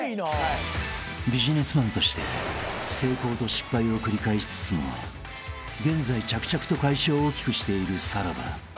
［ビジネスマンとして成功と失敗を繰り返しつつも現在着々と会社を大きくしているさらば］